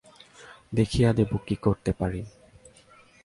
দেখিয়ে দেব কী করতে পারি।